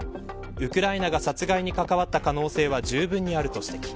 ウクライナが殺害に関わった可能性はじゅうぶんにあると指摘。